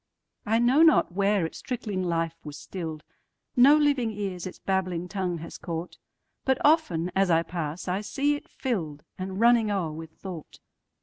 I know not where its trickling life was still'd; No living ears its babbling tongue has caught; But often, as I pass, I see it fill'dAnd running o'er with thought.